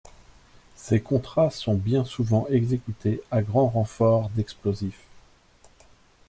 Ses contrats sont bien souvent exécutés à grands renforts d'explosifs.